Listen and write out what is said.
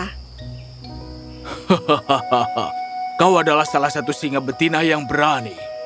hahaha kau adalah salah satu singa betina yang berani